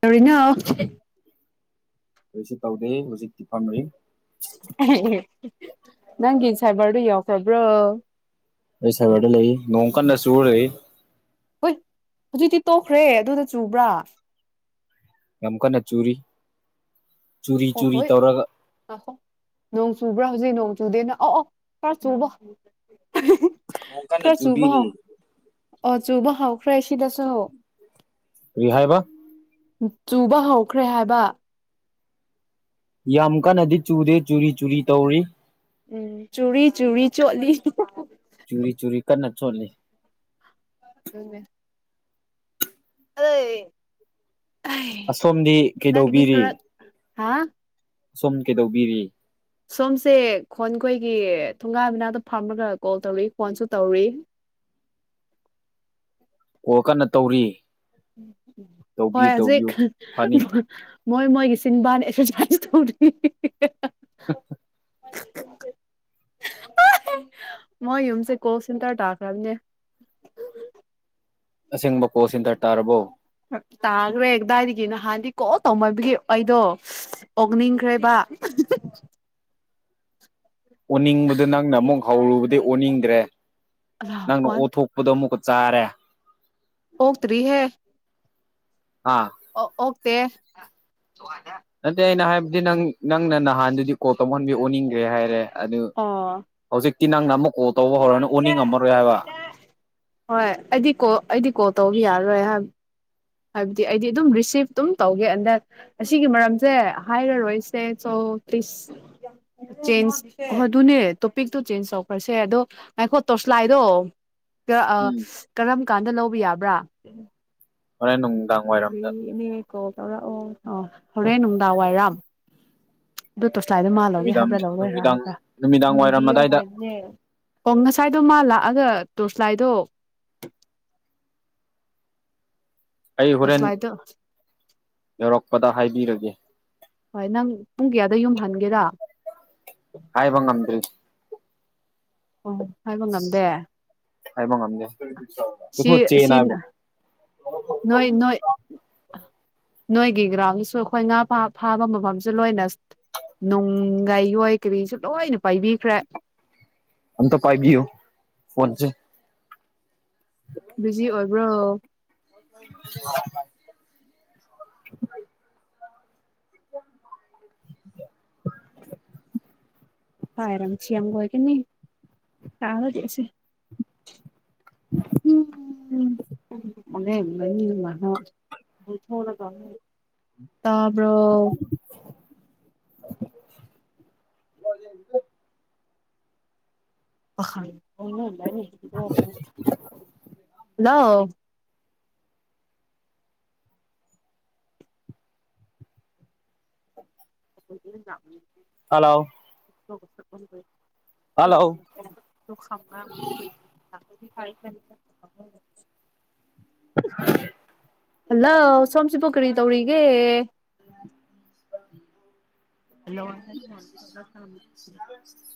ꯇꯧꯔꯤꯅꯣ ꯀꯔꯤꯁꯨ ꯇꯧꯗꯦ ꯍꯧꯖꯤꯛꯇꯤ ꯐꯝꯔꯤ ꯑ ꯍꯦ ꯑꯍꯦ ꯅꯪꯒꯤ ꯁꯥꯏꯕꯔꯗꯨ ꯌꯥꯎꯈ꯭ꯔꯕ꯭ꯔꯣ ꯑꯩ ꯁꯥꯏꯕꯔꯗ ꯂꯩ ꯅꯣꯡ ꯀꯟꯅ ꯆꯨꯔꯩ ꯍꯣꯏ ꯍꯧꯖꯤꯛꯇꯤ ꯇꯣꯛꯈ꯭ꯔꯦ ꯑꯗꯨꯗ ꯆꯨꯕ꯭ꯔꯥ ꯌꯝ ꯀꯟꯅ ꯆꯨꯔꯤ ꯆꯨꯔꯤ ꯑꯣꯏ ꯆꯨꯔꯤ ꯍꯣꯏ ꯇꯧꯔꯒ ꯉꯥꯏꯈꯣ ꯅꯣꯡ ꯆꯨ ꯍꯧꯖꯤꯛ ꯅꯣꯡ ꯆꯨꯗꯦꯅ ꯑꯥ ꯑꯣ ꯈꯔ ꯆꯨꯕ ꯅꯣꯡ ꯀꯟꯅ ꯈꯔ ꯆꯨꯕ ꯆꯨꯕꯤꯔꯤ ꯍꯧ ꯑꯣ ꯆꯨꯕ ꯍꯧꯈ꯭ꯔꯦ ꯁꯤꯗꯁꯨ ꯀ꯭ꯔꯤꯍꯥꯏꯕ ꯆꯨꯕ ꯍꯧꯈ꯭ꯔꯦ ꯍꯥꯏꯕ ꯌꯥꯝ ꯀꯟꯅꯗꯤ ꯆꯨꯗꯦ ꯆꯨꯔꯤ ꯆꯨꯔꯤ ꯇꯧꯔꯤ ꯎꯝ ꯆꯨꯔꯤ ꯆꯨꯔꯤ ꯆꯣꯠꯂꯤ ꯆꯨꯔꯤ ꯆꯨꯔꯤ ꯀꯟꯅ ꯆꯣꯠꯂꯤ ꯗꯨꯅꯦ ꯑꯗꯦ ꯑꯁꯣꯝꯗꯤ ꯀꯩꯗꯧꯕꯤꯔꯤ ꯍꯥꯥ ꯁꯣꯝ ꯀꯩꯗꯧꯕꯤꯔꯤ ꯁꯣꯝꯁꯦ ꯈꯣꯟ ꯈꯣꯏꯒꯤ ꯊꯣꯡꯒꯟ ꯃꯅꯥꯛꯇ ꯐꯥꯝꯔꯒ ꯀꯣꯜ ꯇꯧꯔꯤ ꯐꯣꯟꯁꯨ ꯇꯧꯔꯤ ꯑꯣ ꯀꯟꯅ ꯇꯧꯔꯤ ꯍꯣꯏ ꯇꯧꯕꯤꯌꯨ ꯇꯧꯕꯤꯌꯨ ꯍꯧꯖꯤꯛ ꯍꯥ ꯐꯅꯤ ꯍꯥ ꯃꯣꯏ ꯃꯣꯏꯒꯤ ꯁꯤꯟꯕꯥ ꯍꯥꯏ ꯇꯧꯔꯤ ꯍꯤ ꯍꯤ [inaudible] ꯑ [inaudible] [inaudible] ꯑꯍꯥ ꯃꯣꯏ ꯌꯨꯝꯁꯦ ꯀꯣꯜ ꯁꯦꯟꯇꯔ ꯇꯥꯈ꯭ꯔꯝꯅꯦ ꯑꯁꯦꯡꯕ ꯀꯣꯜ ꯁꯦꯟꯇꯔ ꯇꯥꯔꯕꯣ ꯇꯒꯔꯦ ꯀꯗꯥꯏꯗꯤ ꯅꯍꯥꯟꯗꯤ ꯀꯣꯜ ꯇꯧꯃꯟꯕꯒꯤ ꯑꯩꯗꯣ ꯑꯣꯛꯅꯤꯡꯈ꯭ꯔꯦꯕ ꯑꯣꯅꯤꯡꯕꯗꯣ ꯅꯪꯅ ꯑꯃꯨꯛ ꯍꯧꯔꯨꯕꯗꯩ ꯑꯣꯅꯤꯡꯗ꯭ꯔꯦ ꯅꯪꯅ ꯋꯥꯟ ꯑꯣꯠꯊꯣꯛꯄꯗꯣ ꯑꯃꯨꯛꯀ ꯆꯥꯔꯦ ꯑꯣꯛꯇ꯭ꯔꯤ ꯍꯦ ꯑꯥ ꯑꯣ ꯑꯣꯛꯇꯦ ꯅꯠꯇꯦ ꯑꯩꯅ ꯍꯥꯏꯕꯗꯤ ꯅꯪ ꯅꯪꯅ ꯅꯍꯥꯟꯗꯨꯗꯤ ꯀꯣꯜ ꯇꯧꯃꯟꯕꯩ ꯑꯣꯟꯅꯤꯡꯒ꯭ꯔꯦ ꯍꯥꯏꯔꯦ ꯑꯗꯨ ꯑꯣ ꯍꯧꯖꯤꯛꯇꯤ ꯅꯪꯅ ꯑꯃꯨꯛ ꯀꯣꯜ ꯇꯧꯕ ꯍꯧꯔꯅ ꯑꯣꯅꯤꯡꯉꯝꯃꯔꯣꯏ ꯍꯥꯏꯕ ꯍꯣꯏ ꯑꯩꯗꯤ ꯀꯣꯜ ꯑꯩꯗꯤ ꯀꯣꯜ ꯇꯧꯕ ꯌꯥꯔꯔꯣꯏ ꯍꯥꯏꯕ ꯍꯥꯏꯕꯗꯤ ꯑꯩꯗꯤ ꯑꯗꯨꯝ ꯔꯤꯁꯤꯞ ꯑꯗꯨꯝ ꯇꯧꯒꯦ ꯑꯦꯟ ꯗꯦꯟ ꯑꯁꯤꯒꯤ ꯃꯔꯝꯁꯦ ꯍꯥꯏꯔꯔꯣꯏꯁꯦ ꯁꯣ [unintelligible] ꯆꯦꯟꯖ ꯑꯗꯨꯅꯦ ꯇꯣꯄꯤꯛꯇꯣ ꯆꯦꯟꯖ ꯇꯧꯈ꯭ꯔꯁꯦ ꯑꯗꯣ ꯉꯥꯏꯈꯣ ꯇꯣꯔꯁꯂꯥꯏꯗꯣ ꯒꯥ ꯑꯥ ꯎꯝ ꯀꯔꯝ ꯀꯥꯟꯗ ꯂꯧꯕ ꯌꯥꯕ꯭ꯔꯥ ꯍꯣꯔꯦꯟ ꯅꯨꯡ ꯔꯤꯅꯦ ꯀꯣꯜ ꯇꯧꯔꯛꯑꯣ ꯑꯥ ꯍꯣꯔꯦꯟ ꯅꯨꯡꯗꯥꯡ ꯋꯥꯏꯔꯝ ꯇꯣꯔꯁꯂꯥꯏꯗꯣ ꯃꯥꯅ ꯂꯧꯒꯦ ꯅꯨꯃꯤꯗꯥꯡ ꯍꯥꯏꯕ꯭ꯔ ꯂꯧꯔꯣꯏ ꯅꯨꯃꯤꯗꯥꯡ ꯍꯥꯏꯕ꯭ꯔꯥ ꯅꯨꯃꯤꯗꯥꯡ ꯋꯥꯏꯔꯝ ꯅꯤꯕꯤꯌꯣ ꯑꯗꯥꯏꯗ ꯍꯥꯏꯕꯅꯦ ꯑꯣ ꯉꯁꯥꯏꯗꯣ ꯃꯥ ꯂꯥꯛꯑꯒ ꯇꯣꯔꯁꯂꯥꯏꯗꯣ ꯑꯩ ꯍꯣꯔꯦꯟ ꯌꯧꯔꯛꯄꯗ ꯍꯥꯏꯕꯤꯔꯒꯦ ꯍꯣꯏ ꯅꯪ ꯄꯨꯡ ꯀꯌꯥꯗ ꯌꯨꯝꯍꯟꯒꯦꯔꯥ ꯍꯥꯏꯕ ꯉꯝꯗ꯭ꯔꯤ ꯑꯣ ꯍꯥꯏꯕ ꯉꯝꯗꯦ ꯍꯥꯏꯕ ꯉꯝꯗꯦ ꯁꯤ ꯀꯁꯨ ꯆꯦꯟ ꯁꯤ ꯍꯥꯏꯕꯣ ꯅꯣꯏ ꯅꯣꯏ ꯅꯣꯏꯒꯤ ꯒ꯭ꯔꯥꯎꯟꯁꯨ ꯑꯩꯈꯣꯏ ꯉꯥ ꯐꯥꯕ ꯃꯐꯝꯁꯨ ꯂꯣꯏꯅ ꯅꯣꯡꯒꯥꯏ ꯍꯣꯏ ꯀꯔꯤꯁꯨ ꯂꯣꯏꯅ ꯄꯥꯏꯕꯤꯈ꯭ꯔꯦ ꯑꯝꯇ ꯄꯥꯏꯕꯤꯌꯨ ꯐꯣꯟꯁꯦ ꯕꯤꯖꯤ ꯑꯣꯏꯕ꯭ꯔꯣ [unintelligible] [unintelligible] [unintelligible] ꯇꯥꯕꯔꯣ [unintelligible] ꯄꯈꯥꯪ ꯍꯜꯂꯣ [inaudible] [unintelligible] [unintelligible] [unintelligible] ꯍꯜꯂꯣ ꯍꯜꯂꯣ ꯍꯜꯂꯣ ꯁꯣꯝꯁꯤꯄꯣ ꯀꯔꯤ ꯇꯧꯔꯤꯒꯦ [unintelligible] [unintelligible]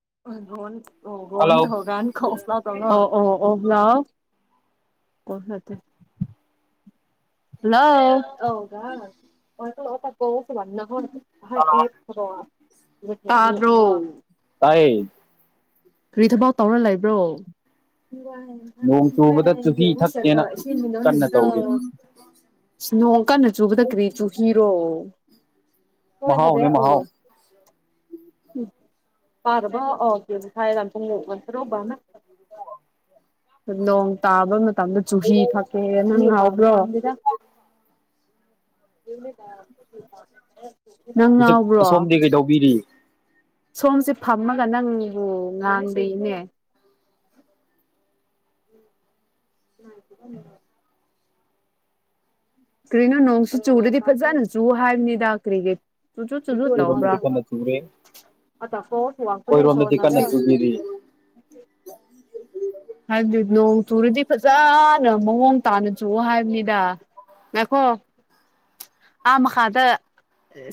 [unintelligible] ꯍꯜꯂꯣ ꯍꯜꯂꯣ ꯀꯣꯟ ꯆꯠꯇꯦ [unintelligible] ꯇꯥꯕꯔꯣ ꯇꯥꯏꯌꯦ ꯀꯔꯤ ꯊꯕꯛ ꯇꯧꯔ ꯂꯩꯕ꯭ꯔꯣ ꯅꯣꯡ ꯆꯨꯕꯗ ꯆꯨꯍꯤ ꯊꯛꯀꯦꯅ ꯀꯟꯅ ꯇꯧꯔꯤ [unintelligible] ꯅꯣꯡ ꯀꯟꯅ ꯆꯨꯕꯗ ꯀꯔꯤ ꯆꯨ ꯍꯤꯔꯣ ꯍꯣꯏ ꯐꯗꯤ ꯃꯍꯥꯎꯅꯦ ꯃꯍꯥꯎ ꯑꯣ ꯎꯝ ꯄꯔꯕꯣ ꯑꯣ ꯊꯥꯏꯗ [unintelligible] ꯅꯣꯡ ꯇꯥꯕ ꯇꯝꯅ ꯆꯨꯍꯤ ꯊꯛꯀꯦ ꯅꯪ ꯉꯥꯎꯕ꯭ꯔꯣ ꯅꯪ ꯍꯧꯖꯤꯛ ꯉꯥꯎꯕ꯭ꯔꯣ ꯑꯁꯣꯝꯗꯤ ꯀꯩꯗꯧꯕꯤꯔꯤ ꯁꯣꯝꯁꯦ ꯐꯝꯃꯒ ꯅꯪꯕꯨ ꯉꯥꯡꯗꯦꯅꯦ [unintelligible] ꯀ꯭ꯔꯤꯅꯣ ꯅꯣꯡꯁꯨ ꯆꯨꯨꯔꯗꯤ ꯐꯖꯅ ꯆꯨ ꯍꯥꯏꯕꯅꯤꯗ ꯀꯔꯤꯒꯤ ꯆꯨꯖꯨ ꯆꯨꯖꯨ ꯇꯧꯕ꯭ꯔꯥ ꯑꯩꯈꯣꯏꯔꯣꯝꯗꯗꯤ ꯀꯟꯅ ꯆꯨꯔꯦ ꯑ ꯇ ꯐꯣ ꯊ ꯋꯥꯄꯅꯦ ꯁꯣ ꯑꯩꯈꯣꯏꯔꯣꯝꯗꯗꯤ ꯀꯟꯅ ꯅꯖꯔ [inaudible] ꯆꯨꯕꯤꯔꯤ [unintelligible] ꯍꯥꯏꯕꯗꯤ ꯅꯣꯡ ꯆꯨꯔꯗꯤ ꯐꯖꯅ ꯃꯑꯣꯡ ꯇꯥꯅ ꯆꯨꯑꯣ ꯍꯥꯏꯕꯅꯤꯗ ꯉꯥꯢꯈꯣ ꯑꯥ ꯃꯈꯥꯗ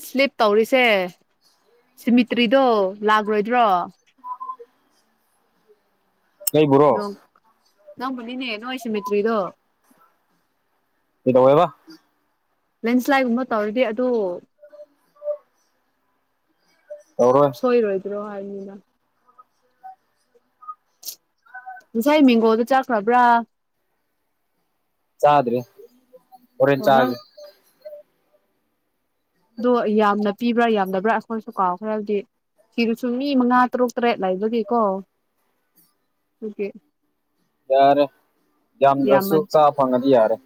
ꯁ꯭ꯂꯤꯞ ꯇꯧꯔꯤꯁꯦ ꯁꯤꯃꯤꯇ꯭ꯔꯤꯗꯣ ꯂꯥꯛꯂꯣꯏꯗ꯭ꯔꯣ ꯑꯩꯕꯨꯔꯣ ꯅꯣꯡ ꯅꯪꯕꯨꯅꯤꯅꯦ ꯅꯣꯢ ꯁꯤꯃꯤꯇ꯭ꯔꯤꯗꯣ ꯀꯩꯇꯧꯋꯦꯕ ꯂꯦꯟꯁ꯭ꯂꯥꯏꯠꯒꯨꯝꯕ ꯇꯧꯔꯗꯤ ꯑꯗꯨ ꯇꯧꯔꯣꯏ ꯁꯣꯏꯔꯣꯏꯗ꯭ꯔꯣ ꯍꯥꯏꯕꯅꯤꯗ ꯉꯁꯥꯏ ꯃꯦꯡꯒꯣꯗꯨ ꯆꯥꯈ꯭ꯔꯕ꯭ꯔ ꯆꯥꯗ꯭ꯔꯤ ꯍꯣꯔꯦꯟ ꯑꯣ ꯆꯥꯒꯦ ꯅꯪꯗꯣ ꯑꯗꯣ ꯌꯥꯝꯅ ꯄꯤꯕ꯭ꯔ ꯌꯥꯝꯗꯕ꯭ꯔ ꯑꯩꯈꯣꯏꯁꯨ ꯀꯥꯎꯈ꯭ꯔꯦ ꯑꯗꯨꯗꯤ ꯁꯤꯗꯁꯨ ꯃꯤ ꯃꯉꯥ ꯇꯔꯨꯛ ꯇꯔꯦꯠ ꯂꯕꯒꯤꯀꯣ ꯑꯗꯨꯒꯤ ꯌꯥꯔꯦ ꯌꯥꯝꯗ꯭ꯔꯁꯨ ꯆꯥ ꯐꯪꯉꯗꯤ ꯌꯥꯔꯦ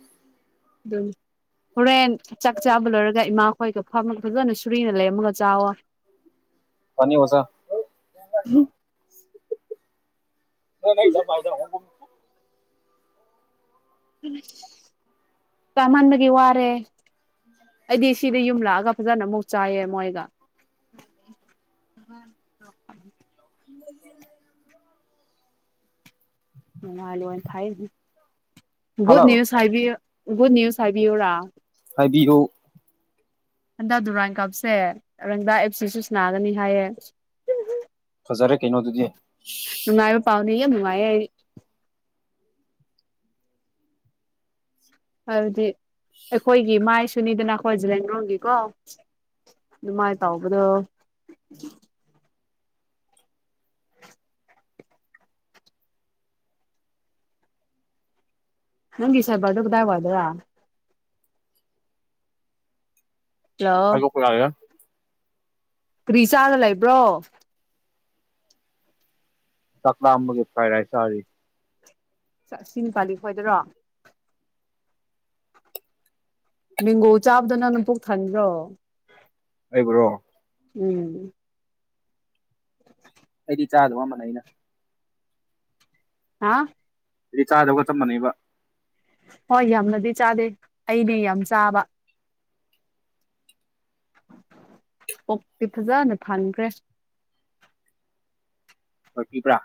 ꯑꯗꯨꯝ ꯍꯣꯔꯦꯟ ꯆꯥꯛ ꯆꯥꯕ ꯂꯣꯏꯔꯒ ꯏꯃꯥꯈꯣꯏꯒ ꯐꯝꯃ ꯐꯖꯅ ꯁꯨꯔꯤꯅ ꯂꯩꯝꯃꯒ ꯆꯥꯋꯣ ꯐꯅꯤ ꯑꯣꯖꯥ [unintelligible] ꯆꯃꯟꯕꯒꯤ ꯋꯥꯔꯦ ꯑꯩꯗꯤ ꯁꯤꯗ ꯌꯨꯝ ꯂꯥꯛꯑꯒ ꯐꯖꯅ ꯑꯃꯨꯛ ꯆꯥꯏꯌꯦ ꯃꯣꯏꯒ [inaudible] [unintelligible] ꯒꯨꯗ ꯍꯜꯂꯣ ꯅꯌꯨꯁ ꯍꯥꯏꯕꯤꯌꯨ ꯒꯨꯗ ꯅ꯭ꯌꯨꯁ ꯍꯥꯏꯕꯤꯌꯨꯔꯥ ꯍꯥꯏꯕꯤꯔꯨ ꯍꯟꯗꯛ ꯗꯨꯔꯥꯟ ꯀꯞꯁꯦ ꯔꯪꯗꯥ ꯑꯦꯞ ꯁꯤ ꯁꯨ ꯁꯅꯥꯒꯅꯤ ꯍꯥꯏꯌꯦ ꯐꯖꯔꯦ ꯀꯩꯅꯣꯗꯨꯗꯤ ꯅꯨꯡꯉꯥꯏꯕ ꯄꯥꯎꯅꯤ ꯌꯥꯝ ꯅꯨꯡꯉꯥꯏꯌꯦ ꯑꯩ ꯑꯗꯨꯗꯤ ꯑꯩꯈꯣꯏꯒꯤ ꯃꯥꯏꯁꯨꯅꯤꯗꯅ ꯑꯈꯣꯏꯒꯤ ꯖꯂꯦꯡꯔꯣꯡꯒꯤꯀꯣ ꯗꯨꯃꯥꯏ ꯇꯧꯕꯗꯣ [inaudible] ꯅꯪꯒꯤ ꯁꯥꯢꯕꯔꯗꯣ ꯀꯗꯥꯏꯋꯥꯢꯗꯔꯥ ꯍꯜꯂꯣ ꯍꯥꯏꯗꯣꯛꯄ ꯂꯥꯏꯔ ꯀ꯭ꯔꯤꯆꯥꯥꯔ ꯂꯩꯕ꯭ꯔꯣ ꯆꯥꯛ ꯂꯥꯝꯕꯒꯤ ꯐ꯭ꯔꯥꯏ ꯔꯥꯢꯁ ꯆꯥꯔꯤ ꯆꯥꯛ ꯁꯤꯡꯄꯥꯥꯂꯤ ꯈꯣꯏꯗꯔꯣ ꯕꯤꯡꯒꯣ ꯆꯥꯕꯗꯨ ꯅꯪꯅ ꯄꯨꯛ ꯊꯟꯕ꯭ꯔꯣ ꯑꯩꯕꯨꯔꯣ ꯎꯝ ꯑꯩꯗꯤ ꯆꯥꯗꯕ ꯃꯅꯩꯗ ꯍꯥꯥ ꯗꯨꯗꯤ ꯆꯥꯗꯕꯒ ꯆꯞ ꯃꯅꯩꯕ ꯍꯣꯏ ꯌꯥꯝꯅꯗꯤ ꯆꯥꯗꯦ ꯑꯩꯅꯦ ꯌꯥꯝ ꯆꯥꯕ ꯄꯨꯛꯇꯤ ꯐꯖꯅ ꯊꯟꯈ꯭ꯔꯦ ꯑꯣꯏꯄꯤꯕ꯭ꯔ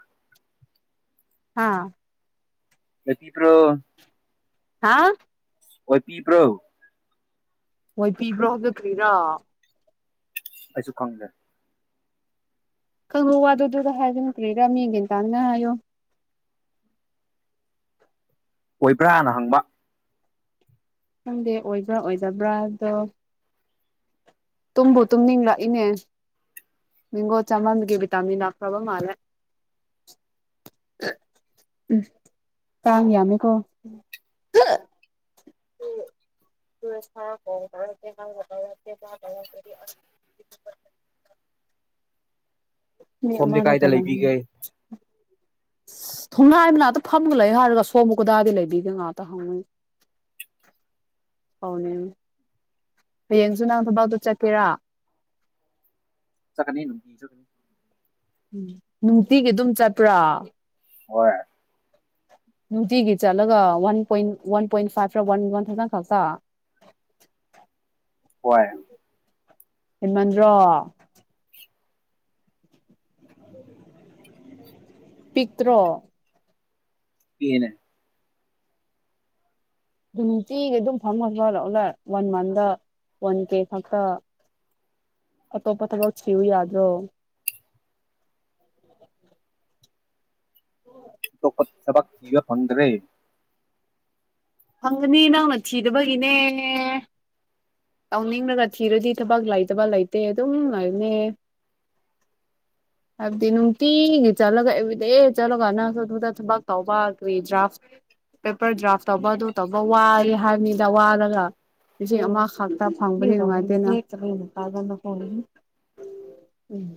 ꯍꯥꯥ ꯇꯄꯤꯄ꯭ꯔꯣ ꯍꯥꯥ ꯑꯣꯏꯄꯤꯕ꯭ꯔꯣ ꯑꯣꯏꯄꯤꯕ꯭ꯔꯣꯗꯣ ꯀ꯭ꯔꯤꯔꯥ ꯑꯩꯁꯨ ꯈꯪꯗꯦ ꯈꯪꯉꯣ ꯋꯥꯗꯨꯗꯨ ꯍꯥꯏꯕ ꯅꯠꯇꯦ ꯀ꯭ꯔꯤꯔ ꯃꯤ ꯃꯦꯟ ꯇꯅꯤꯡꯉꯥꯏ ꯍꯥꯏꯌꯣ ꯑꯣꯏꯕ꯭ꯔꯥꯅ ꯍꯪꯕ ꯈꯪꯗꯦ ꯑꯣꯏꯕ꯭ꯔꯥ ꯑꯣꯏꯗꯕ꯭ꯔꯥ ꯑꯗꯣ ꯇꯨꯝꯕꯨ ꯇꯨꯝꯅꯤꯡꯔꯛꯏꯅꯦ ꯕꯤꯡꯒꯣ ꯆꯃꯟꯕꯒꯤ ꯕꯤꯇꯃꯤꯟ ꯂꯥꯈ꯭ꯔꯕ ꯃꯥꯜꯂꯦ [inaudible] ꯀꯥꯡ ꯌꯥꯃꯦꯀꯣ [inaudible] [inaudible] [unintelligible] [inaudible] ꯃꯤ ꯁꯣꯝꯗꯤ ꯃꯥꯅ ꯀꯥꯏꯗ ꯇꯔ ꯂꯩꯕꯤꯒꯦ [unintelligible] ꯊꯣꯡꯉꯥꯟ ꯃꯅꯥꯛꯇ ꯐꯝꯃꯒ ꯂꯩꯌꯨ ꯍꯥꯏꯔꯒ ꯁꯣꯝꯕꯨ ꯀꯗꯥꯏꯗ ꯂꯩꯕꯤꯒꯦ ꯉꯥꯛꯇ ꯍꯪꯡꯉꯨ ꯍꯧꯅꯦ [unintelligible] ꯍꯌꯦꯡꯖꯨ ꯅꯪ ꯊꯕꯥꯛꯇꯣ ꯆꯠꯀꯦꯔ ꯆꯠꯀꯅꯤ ꯅꯨꯡꯇꯤ ꯎꯝ ꯅꯨꯡꯇꯤꯒꯤ ꯑꯗꯨꯝ ꯆꯠꯄ꯭ꯔꯥ ꯍꯣꯏ ꯅꯨꯡꯇꯤꯒꯤ ꯆꯠꯂꯒ one point one point five one one ꯈꯛꯇꯪ ꯈꯛꯇ ꯍꯣꯏ ꯍꯦꯟꯃꯟꯗ꯭ꯔꯣ ꯄꯤꯛꯇ꯭ꯔꯣ ꯄꯤꯛꯑꯦꯅꯦ ꯗꯨ ꯅꯨꯡꯇꯤꯒꯤ ꯑꯗꯨꯝ ꯐꯝꯒ ꯐ [inaudible] ꯂꯥꯛꯔꯦ ꯋꯥꯟ ꯃꯟꯇ ꯋꯥꯟ ꯀꯦ ꯈꯛꯇ ꯑꯇꯣꯞꯄ ꯊꯕꯛ ꯊꯤꯌꯨ ꯌꯥꯗ꯭ꯔꯣ ꯑꯇꯣꯞꯄ ꯊꯕꯛ ꯊꯤꯕ ꯐꯪꯗ꯭ꯔꯦ ꯐꯪꯒꯅꯤ ꯅꯪꯅ ꯊꯤꯗꯕꯒꯤꯅꯦ ꯇꯥꯎꯅꯤꯡꯂꯒ ꯊꯤꯔꯗꯤ ꯊꯕꯛ ꯂꯩꯇꯕ ꯂꯩꯇꯦ ꯑꯗꯨꯝ ꯂꯩꯕꯅꯦ [inaudible] ꯍꯥꯏꯕꯗꯤ ꯅꯨꯡꯇꯤꯒꯤ ꯆꯠꯂꯒ ꯑꯦꯕ꯭ꯔꯤꯗꯦ ꯆꯠꯂꯒ ꯅꯪꯁꯨ ꯗꯨꯗ ꯊꯕꯛ ꯇꯧꯕ ꯀ꯭ꯔꯤꯗ꯭ꯔꯥꯐ ꯄꯦꯄꯔ ꯗ꯭ꯔꯥꯐ ꯇꯧꯕ ꯑꯗꯨ ꯇꯧꯕ ꯋꯥꯌꯦ ꯍꯥꯏꯕꯅꯤꯗ ꯋꯥꯔꯒ ꯂꯤꯁꯤꯡ ꯑꯃ ꯈꯥꯛꯇ ꯐꯪꯕꯗꯤ ꯅꯨꯡꯉꯥꯏꯇꯦꯅ [unintelligible] ꯎꯝ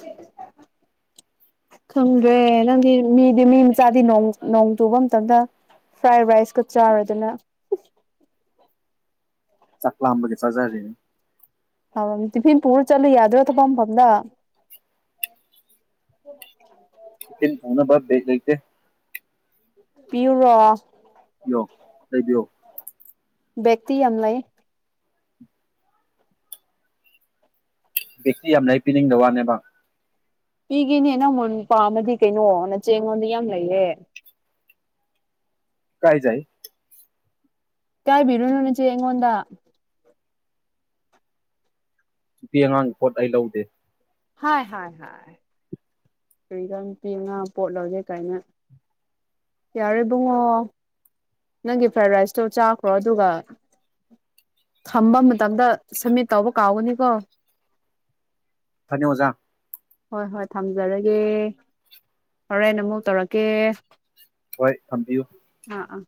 [inaudible] ꯈꯪꯗ꯭ꯔꯦ ꯅꯪꯗꯤ ꯃꯤꯗꯤ ꯃꯤ ꯃꯆꯥꯗꯤ ꯅꯣꯡ ꯅꯣꯡ ꯆꯨꯕ ꯃꯇꯝꯗ ꯐ꯭ꯔꯥꯏ ꯔꯥꯏꯁꯀ ꯆꯥꯔꯗꯅ ꯆꯥꯛ ꯂꯥꯝꯕꯒꯤ ꯆꯥꯖꯔꯤꯅꯤ ꯇꯧꯔꯝꯅꯤ ꯇꯤꯐꯤꯟ ꯄꯨꯔ ꯆꯠꯂꯨ ꯌꯥꯗ꯭ꯔꯣ ꯊꯕꯛ ꯃꯐꯝꯗ [inaudible] ꯇꯤꯐꯤꯟ [unintelligible] ꯐꯥꯎꯅꯕ ꯕꯤꯠ ꯂꯩꯇꯦ ꯄꯤꯌꯨꯔꯣ ꯄꯤꯌꯣ ꯂꯩꯕꯤꯌꯣ ꯕꯦꯛꯇꯤ ꯌꯥꯝ ꯂꯩ ꯕꯤꯛꯇꯤ ꯌꯥꯝ ꯂꯩ ꯄꯤꯅꯤꯡꯗ ꯋꯥꯅꯦꯕ ꯑꯩꯒꯤꯅꯦ ꯅꯪꯃꯣꯟꯅ ꯄꯝꯃꯗꯤ ꯀꯩꯅꯣ ꯅꯆꯦ ꯑꯩꯉꯣꯟꯗ ꯌꯥꯝ ꯂꯩꯌꯦ ꯀꯥꯏꯖꯩ ꯢꯀꯥꯢꯕꯤꯔꯨꯅꯨ ꯅꯆꯦ ꯑꯩꯉꯣꯟꯗ ꯅꯨꯄꯤ ꯑꯉꯥꯡꯒꯤ ꯄꯣꯠ ꯑꯩ ꯂꯧꯗꯦ ꯍꯥꯢ ꯍꯥꯢ ꯍꯥꯢ ꯀꯔꯤꯔꯥ ꯅꯨꯄꯤ ꯑꯉꯥꯡ ꯄꯣꯠ ꯂꯧꯗꯦ ꯀꯥꯏꯅ ꯌꯥꯔꯦ ꯢꯕꯨꯡꯉꯣ ꯅꯪꯒꯤ ꯐ꯭ꯔꯥꯏꯗ ꯔꯥꯏꯁꯇꯣ ꯆꯥꯈ꯭ꯔꯣ ꯑꯗꯨꯒ ꯊꯝꯕ ꯃꯇꯝꯗ ꯁꯝꯃꯤꯠ ꯇꯧꯕ ꯀꯥꯎꯒꯅꯤꯀꯣ ꯐꯅꯤ ꯑꯣꯖꯥ ꯍꯣꯏ ꯍꯣꯏ ꯊꯝꯖꯔꯒꯦ ꯍꯣꯔꯦꯟ ꯑꯃꯨꯛ ꯇꯧꯔꯛꯀꯦ ꯍꯣꯏ ꯊꯝꯕꯤꯌꯨ ꯑꯥꯑꯥ